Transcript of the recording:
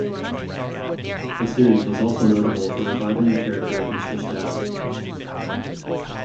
The series was also notable for reviving the character of Mr. Stabs.